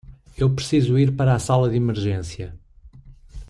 Eu preciso ir para a sala de emergência.